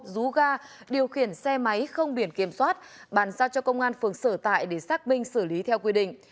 rú ga điều khiển xe máy không biển kiểm soát bàn giao cho công an phường sở tại để xác minh xử lý theo quy định